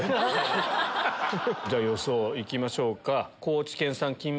じゃ予想いきましょうか。